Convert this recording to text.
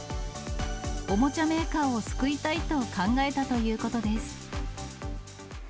おもちゃメーカーを救いたいと考えたということです。